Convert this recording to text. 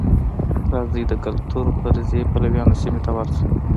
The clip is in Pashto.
راځئ د کلتور فرضیې پلویانو سیمې ته ورشو.